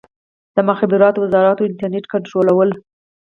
د مخابراتو وزارت انټرنیټ کنټرولوي؟